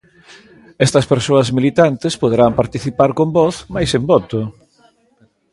Estas persoas militantes poderán participar con voz, mais sen voto.